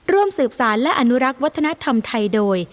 ร่วมสืบสารและอนุรักษ์วัฒนธรรมไทยโดย